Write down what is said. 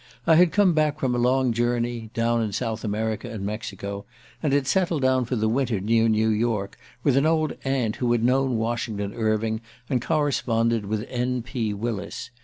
I had come back from a long journey down in South America and Mexico and had settled down for the winter near New York, with an old aunt who had known Washington Irving and corresponded with N. P. Willis.